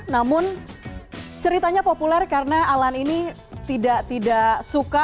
namun ceritanya populer karena alan ini tidak suka